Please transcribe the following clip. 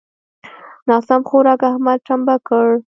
ناسم خوارک؛ احمد ټمبه کړ.